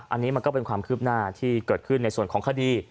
อันนี้มันก็เป็นความคืบหน้าที่เกิดขึ้นในส่วนของคดี